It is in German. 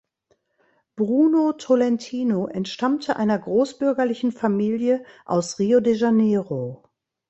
Bruno Tolentino entstammte einer großbürgerlichen Familie aus Rio de Janeiro.